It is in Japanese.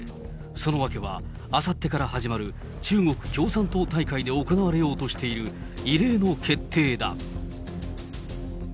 その訳は、あさってから始まる中国共産党大会で行われようとしている異例の決定だ。